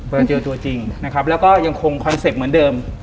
เจอตัวจริงนะครับแล้วก็ยังคงคอนเซ็ปต์เหมือนเดิม